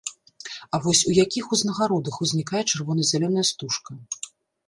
А вось у якіх узнагародах узнікае чырвона-зялёная стужка?